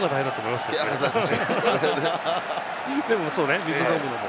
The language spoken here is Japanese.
まぁでもそうね、水飲むのも。